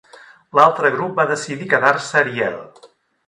L'altre grup va decidir quedar-se a Ariel.